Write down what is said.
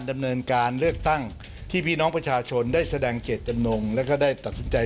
ดำเนินการเลือกตั้งที่พี่น้องประชาชนได้แสดงเจตจำนงแล้วก็ได้ตัดสินใจ